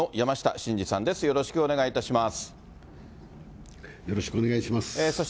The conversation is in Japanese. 清原さん、よろしくお願いします。